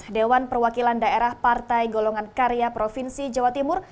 dewan perwakilan daerah partai golongan karya provinsi jawa timur